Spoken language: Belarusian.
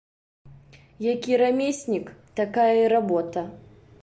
Які рамеснік ‒ такая работа